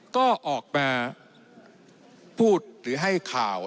ก็ออกมาพูดหรือให้ข่าว